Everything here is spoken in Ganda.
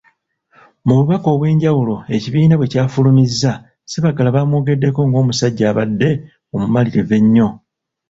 Mu bubaka obw'enjawulo ekibiina bwe kyafulumizza Sebaggala bamwogeddeko ng'omusajja abadde omumalirivu ennyo.